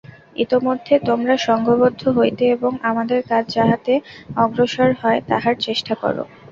ইতোমধ্যে তোমরা সঙ্ঘবদ্ধ হইতে এবং আমাদের কাজ যাহাতে অগ্রসর হয়, তাহার চেষ্টা কর।